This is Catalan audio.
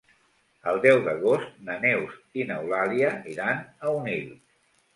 El deu d'agost na Neus i n'Eulàlia iran a Onil.